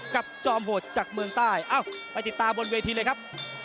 จอมโหดจากเมืองใต้เอ้าไปติดตามบนเวทีเลยครับ